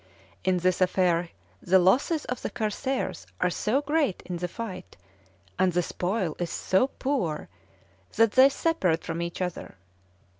In this affair the losses of the corsairs are so great in the fight, and the spoil is so poor, that they separate from each other.